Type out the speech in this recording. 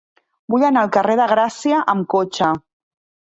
Vull anar al carrer de Gràcia amb cotxe.